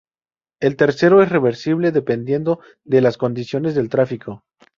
El tercero es reversible dependiendo de las condiciones del tráfico.